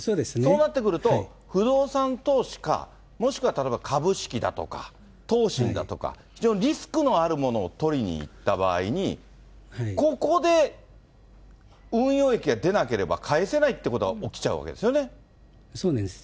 そうなってくると、不動産投資か、もしくは例えば株式だとか、投信だとか、非常にリスクのあるものを取りにいった場合に、ここで運用益が出なければ返せないってことが起きちゃうわけですそうなんです。